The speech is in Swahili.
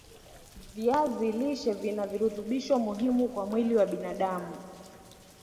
viazi lishe vina virutubisho muhimu kwa mwili wa binadam